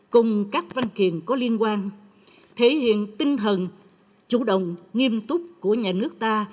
cùng các văn kiện có liên quan thể hiện tinh thần chủ động nghiêm túc của nhà nước ta